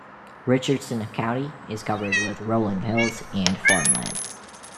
Richardson County is covered with rolling hills and farm land.